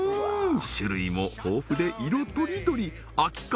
種類も豊富で色とりどり秋感